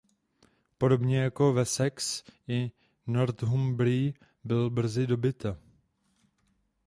Podobně jako Wessex i Northumbrie byla brzy dobyta.